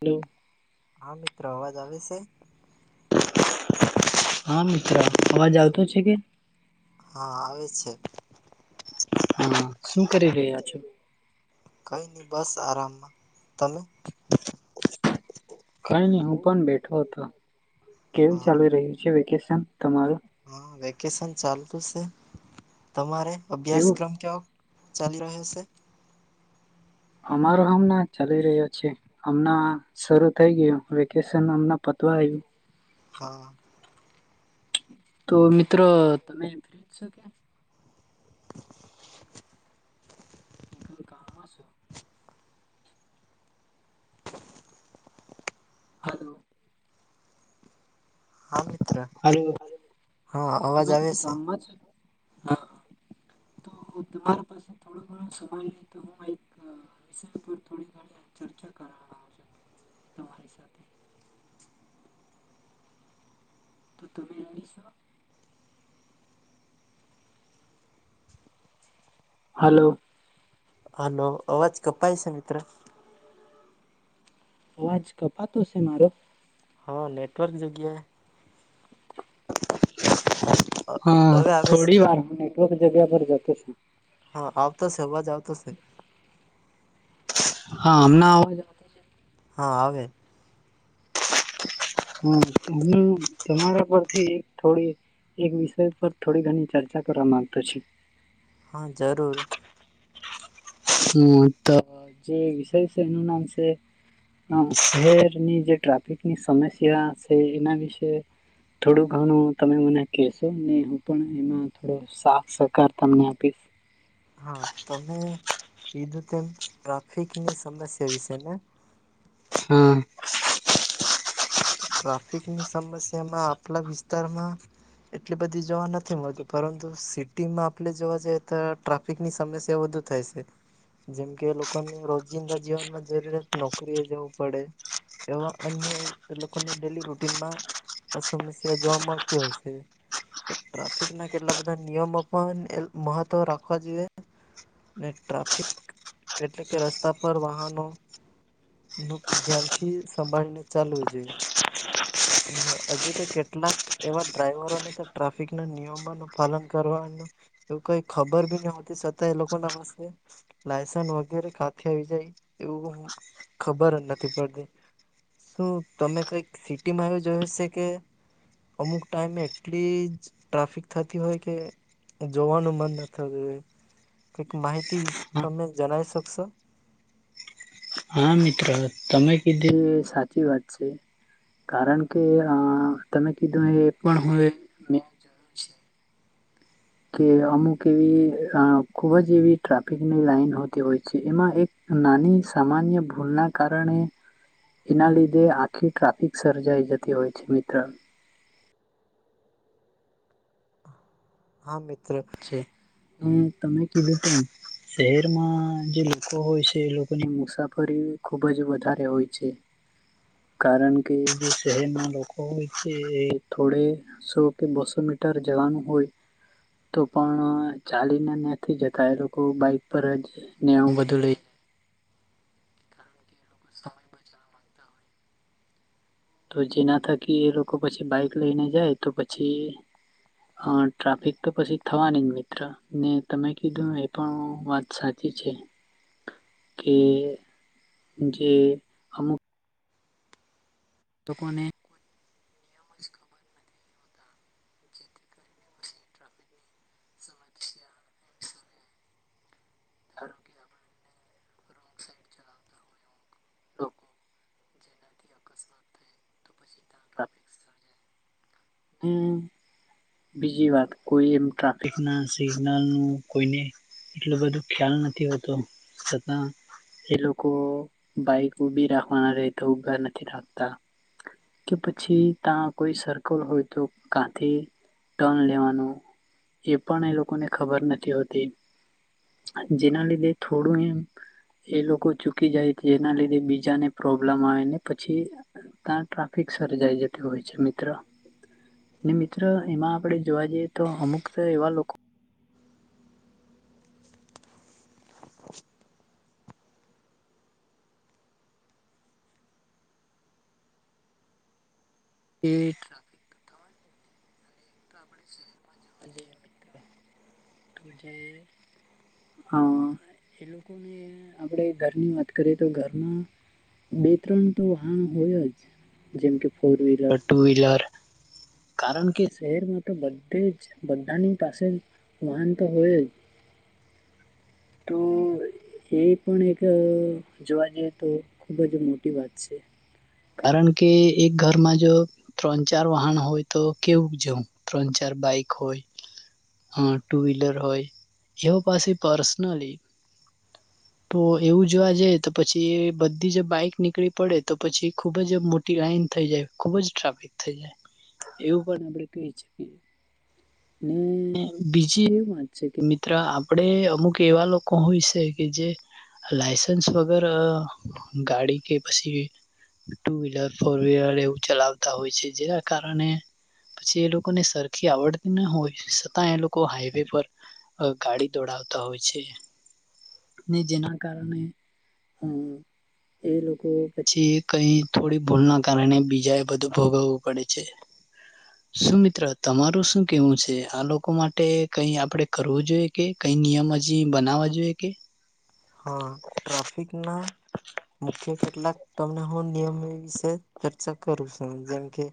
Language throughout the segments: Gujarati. હલો હા મિત્ર અવાજ આવે છે હા મિતિત્ર અવાજ આવતો છે કે હા આવે છે હા શું કરી રહ્યા છો કઈ નહી બસ આરામમાં તમે કઈ નહી હું પણ બેઠો હતો કેવું હા ચાલી રહ્યું છે વેકેશન તમારું હા વેકેશન ચાલતું છે તમારે એવું અભ્યાસક્રમ કેવોક ચાલી રહ્યો છે. અમારો હમના ચાલી રહ્યો છે. હમણા શરૂ થઇ ગયું વેકેશન અમણા પતવા આવ્યું હા તો મિત્રો તમે ફ્રીજ શો કે કે કય કામમાં છો હલો હા મિત્ર હલો હા અવાજ તમે આવે કઈ છે કામમાં છો હ તો તમારા પાસે થોડો ઘણો સમય હોય તો હું એક વિષય પર થોડી ઘણી ચર્ચા કરવા [inaudible] માગુ તમારી સાથે તો તમે રેડી છો હલો હાલો અવાજ કપાય છે મિત્ર અવાજ કપાતો છે મારો હા નેટવર્ક જગ્યાએ અ હા હવે આવે છે થોડી વાર હું નેટવર્ક જગ્યા પર જતો છું હા આવતોશે અવાજ આવતોશે હા આમના આવજ હા આવે હમ હુ તમારા પરથી એક થોડી એક વિષય પર થોડી ઘણી ચર્ચા કરવા માંગતો છે. હા જરૂર હમ તો જે વિષય છે એનું નામ છે શહેરની જે ટ્રાફિકની સમસ્યા છે એના વિશે થોડું ઘણું તમે મને કહેશો ને હું પણ એમાં થોડો સાફ સહકાર તમને આપી [inaudible] હા. તમે કીધું તેમ, ટ્રાફિકની સમસ્યા વિશે ને. હા. ટ્રાફિકની સમસ્યા માં આપલા વિસ્તારમાં એટલી બધી જોવા નથી મળતી, પરંતુ સિટી માં આપણે જોવા જઈએ તો, ટ્રાફ ની સમસ્યા વધુ થાય છે. જેમ કે, લોકોને રોજિંદા જીવનમાં જરૂરિયાત નોકરીએ જવું પડે. એ અન લોકોને ડેલી રૂટીનમાં આ સમસ્યા જોવા મળતી હોય છે. ટ્રાફિક ના કેટલા બધા નિયમો પણ એ મહત્વ રાખવા જોઈએ. ને ટ્રાફિક એટલે કે, રસ્તા પર વાહનો. ન ધ્યાનથી સંભાળીને ચાલુ છે. [unintelligible] ને હજુ તો કેટલાક એવા ડ્રાઈવરોને, તો ટ્રાફિક ના નિયમો નું પાલન કરવાનું. એવું કઈ ખબર બી ન હોતી, સતા એ લોકોના પાસે લાયસન વગેરે કાતે આવી જાય, એવું ખબર જ નથી પડતી. શું તમે કઈક સિટીમાં આવ જોયુંશે કે? અમુક ટાઈમે એટલી જ ટ્રાફિક થતી હોય કે. જોવાનું મન ન થાય, કઈક માહિતી વિશે તમે જણાવી શકશો? હા, મિત્રો તમે કીધું સાચી વાત છે. કારણ કે, અ તમે કીધું એ પણ હય કે અમુક એવી અ ખુબ જ એવી ટ્રાફિકની લાઈન હોતી હોય છે, એમાં એક નાની સામાન્ય ભૂલ ના કારણે એના લીધે આખી ટ્રાફિક સર્જાઈ જતી હોય છે, મિત્ર. હા, મિત્ર. તમે કીધું કેમ? શહેરમાં જે લોકો હોય છે, એ લોકોની મુસાફરી ખુબ જ વધારે હોય છે. [unintelligible] કારણ કે, જે શહેરના લોકો હોય છે, એ થોડે સો કે, બસ્સો મીટર જવાનું હોય. તો પણ ચાલીને નથી જતા, એ લોકો બાઈક પર જ ને, હું બધું લઈ. સમય બલાવા. તો જેના થકી, એ લોકો પછી બાઈક લઈને જાય તો પછી હા, ટ્રાફિક તો પછી થવાની જ મિત્ર. ને તમે કીધું એ પણ વાત સાચી છે, કે જે અમુક તો કોને? હોતા જેથી કરીને પછી ટ્રાફિકની સમસ્યા તાર કે આ [unintelligible] હોય અમુક લોકો. આ સાથે તે તફિકસા [unintelligible] હમ. બીજી વાત કોઈ એમ ટ્રાફિક ના સિગ્નલ નું કોઈને એટલું બધું ખ્યાલ નથી હોતો, છતા એ લોકો બાઈક ઉભી રાખવાના રહે તો ઉઊભા નથી રાખતા કે પછી ત્યાં કોઈ સર્કલ હોય. તો ક્યાંથી ટર્ન લેવાનું એ પણ એ લોકોને ખબર નથી હોતી. જેના લીધે થોડું એમ એ લોકો ચૂકી જાય એના લીધે બીજાને પ્રોબ્લેમ આવે ને પછી ત્યાં ટ્રાફિક સરજાય જતી હોય છે, મિત્ર. ને મિત્ર એમાં આપણે જોવા જઈએ તો અમુક એવા લોકો એક આપણે શહેરમાં જવા જઈએ મિત્ર, તો જે હા, એ લોકોને આપણે ઘરની વાત કરીએ તો ઘરમાં બે-ત્રણ તો વાહન હોય જ જેમકે ફોર વ્હીલર, ટુ વ્હીલર કારણ કે શહેરમાં તો બધે જ બધાની પાસે વાહન તો હોય જ. તો એ પણ એક જોવા જઈએ તો ખુબ જ મોટી વાત છે. કારણ કે એક ઘરમાં જો ત્રણ-ચાર વાહન હોય, તો કેવું ત્રણ-ચાર બાઇક હોય. ટુ વ્હીલર હોય એ હો પાછી પર્સનલી. [inaudible] તો એવું જોવા જઈ તો પછી બધી જ બાઈક નીકળી પડે તો પછી ખુબ જ મોટી લાઈન થઈ જાય ખુબ જ ટ્રાફિક થઈ જાય એવું પણ આપણે કહી શકીએ. [inaudible] ને બીજી એ વાત છે કે મિત્ર આપણે અમુક એવા લોકો હોય છે, કે જે લાયસન્સ વગર ગાડી કે પછી ટુ વ્હીલર, ફોર વ્હીલર એવું ચલાવતા હોય છે. જેના કારણે પછી એ લોકોને સરખી આવડતી ન હોય છતાં એ લોકો હાઈવે પર ગાડી દોડાવતા હોય છે. ને જેના કારણે એ લોકો પછી કઈ થોડી ભૂલના કારણે બીજા એ બધું ભોગવવું પડે છે. શું મિત્ર તમારું શું કેવું છે? આ લોકો માટે કઈ આપણે કરવું જોઈએ. કે કઈ નિયમ હજી બનાવા જોઈએ કે? હા, ટ્રાફિકના મુખ્ય કેટલાક તમને હું નિયમ એ વિશે ચર્ચા કરું છું. જેમ કે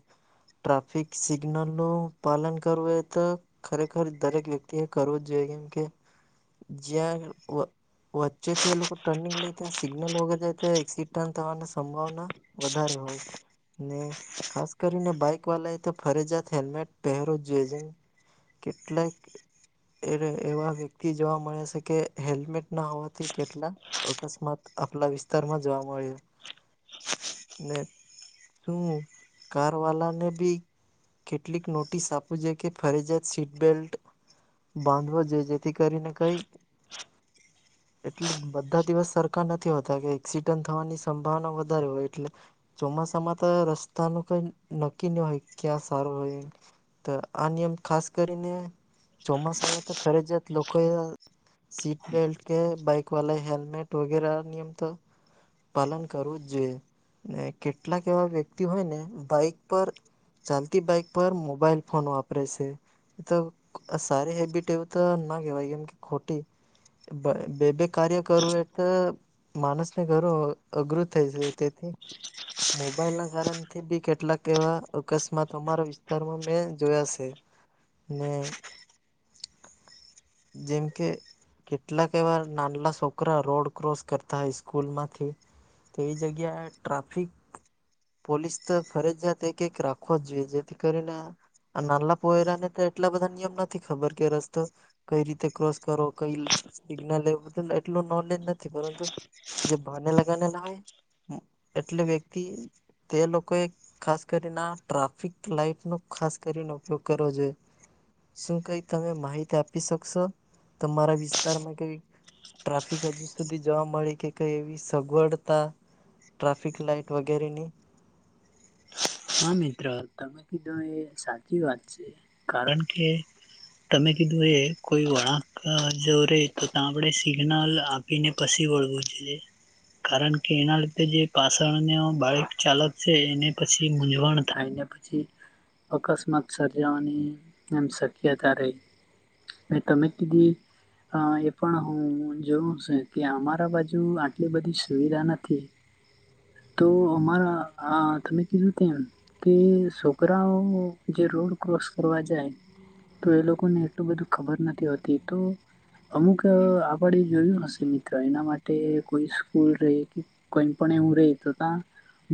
ટ્રાફિક સિગ્નલનું પાલન કરવું તો ખરેખર દરેક વ્યક્તિએ કરવું જ જોઈએ, કેમ કે જ્યાં વચ્ચેથી એ લોકો ટર્નિંગ લે ત્યાં સિગ્નલ વગર જાય તો એક્સિડન્ટ થવાની સંભાવના વધારે હોય. ને ખાસ કરીને બાઈક વાળાએ તો ફરજિયાત હેલ્મેટ પહેરવું જોઈએ. કેટલાક એ એવા વ્યક્તિ જોવા મળે છે, કે હેલ્મેટ ના, હોવાથી કેટલા અકસ્માત આપલા વિસ્તારમાં જોવા મળે. ને શું કાર વાળાને ભી કેટલીક નોટિસ આપવી જોઈએ કે ફરજિયાત સીટબેલ્ટ બાંધવો જોઈએ. જેથી કરીને કઈ એટલે બધા દિવસ સરખા નથી હોતા. કે એક્સિડન્ટ થવાની સંભાવના વધારે હોય, એટલે ચોમાસામાં તો રસ્તાનું કઈ નક્કી નો હોય ક્યાં સારું હોય. તો આ નિયમ ખાસ કરીને ચોમાસામાં તો ફરજિયાત લોકોએ આ સીટ બેલ્ટ કે બાઈક વાલા હેલ્મેટ વગેરા નિયમ તો પાલન કરવું જ જોઈએ. ને કેટલાક એવા વ્યક્તિ હોય ને બાઈક પર ચાલતી બાઈક પર મોબાઈલ ફોન વાપરે છે. તો સારી હેબિટ એવું તો ના કેહેવાય ગમ કે ખોટી બ બે બે કાર્ય કરું એ તો માણસને ઘર અહ અઘરું થાય જાય તેથી મોબાઈલ ના કારણથી બી કેટલાક એવા અકસ્માત અમારા વિસ્તારમાં મેં જોયા છે ને જેમ કે કેટલાક એવા નાનલા છોકરા રોડ ક્રોસ કરતા હોય સ્કૂલ માંથી તેવી જગ્યાએ ટ્રાફિક પોલીસ તો ફરજિયાત એક એક રાખવા જ જોઈએ જેથી કરીને નાલા પોયરાને તો એટલા બધા નિયમ નથી ખબર કે રસ્તો કઈ રીતે ક્રોસ કરો કઈ સિગ્નલ લેવું એટલું નોલેજ નથી પરંતુ જે ભને લગાને ના હોય એટલે વ્યક્તિ તે લોકોએ ખાસ કરીને ટ્રાફિક લાઈટ નો ખાસ કરીને ઉપયોગ કરવો જોએ. શું કઈ તમે માહિતી આપી શકશો તમારા વિશ તારમાં કઈ ટ્રાફિક હજુ સુધી જોવા મળી કે કઈ એવી સગવડતા ટ્રાફિક લાઈટ વગેરેની હા, મિત્ર તમે કીધું એ સાચી વાત છે. કારણ કે તમે કીધું એ કોઈ વળાંક જો રે તો ત્યાં આપડે સિગ્નલ આપ એને પછી વળવું જોઈએ. કારણ કે એના લીધે જે પાછણને બાઈક ચાલક છે એને પ પછી મૂંઝવણ થાયને પછી અકસ્માત સર્જાવાની એમ શક્યતા રહી. ને તમે કીધું ઈ હા એ પણ હું જોઉં છ કે અમારા બાજુ આટલી બધી સુવિધા નથી. [inaudible] તો અમારા આ તમે કીધું તેમ કે છોકરાઓ જે રોડ ક્રોસ કરવા જાય તો એ લોકોને એટલું બધું ખબર નથી હોતી તો અમુક આપડી જોયું હશે મિત્ર એના માટે કોઈ સ્કૂલ રહે કી કોઈ પણ એવું રે તો ત્યા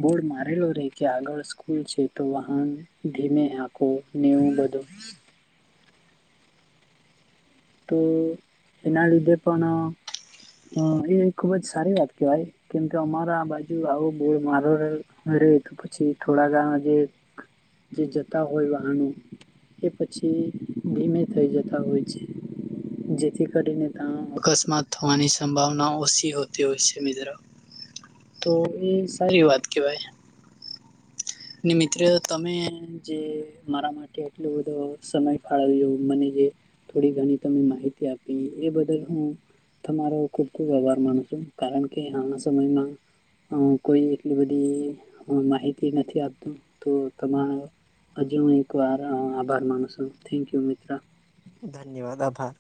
બોર્ડ મારેલો રહેે કે આગળ સ્કૂલ છે તો વાહન ધીમે આખો ને એવું બધો તો એના લીધે પણ અહ એ ખુબ જ સારી વાત કહેવાય કેમ કે અમારો આ બાજુ આવું બહુ મારો રે તો પછી થોડા ધણા જે જે જતા હોય વાહનો એ પછી ધીમે થઈ જતા હોય છે. જેથી કરીને તા અકસ્માત થવાની સંભાવના ઓછી હોતી હોય છે મિત્રો. તો એ સારી વાત કેવાય. ને મિત્ર તમે જે મારા માટે એટલો બધો સમય કાળિયો મને જે થોડી ઘણી તમે માહિતી આપી એ બદલ હું તમારો ખૂબ ખૂબ આભાર માનું છું કારણ કે હાલના સમયમાં હ કોઈ એટલી બધી માહિતી નથી આપતી તો તમારો હજુ હું એક આભાર માનું છું થેન્ક યુ મિત્ર ધન્યવાદ આભાર